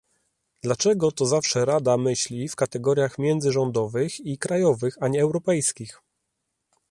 Dlaczego to zawsze Rada myśli w kategoriach międzyrządowych i krajowych, a nie europejskich?